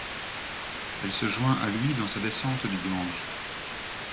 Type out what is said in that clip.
Elle se joint à lui dans sa descente du Gange.